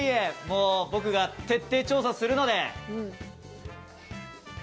もう僕が徹底調査するので。